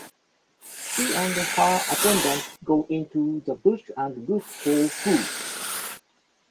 She and her attendant go into the bush and look for food.